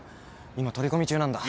今取り込み中なんだ。